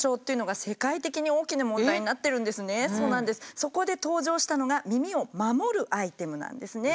そこで登場したのが耳を守るアイテム？